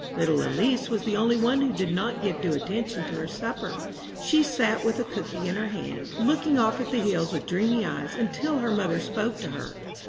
Little Elise was the only one who did not give due attention to her supper. She sat with a cooky in her hand, looking off at the hills with dreamy eyes, until her mother spoke to her.